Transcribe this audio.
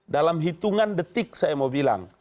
dalam hitungan detik saya mau bilang